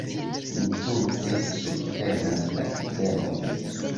Mi tute subtenas la ideon.